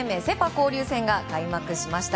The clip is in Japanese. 交流戦が開幕しました。